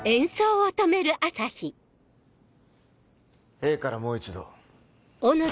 Ａからもう一度。